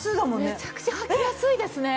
めちゃくちゃ履きやすいですね。